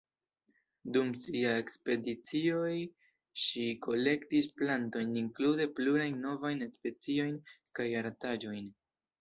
Dum sia ekspedicioj ŝi kolektis plantojn, inklude plurajn novajn speciojn, kaj artaĵojn.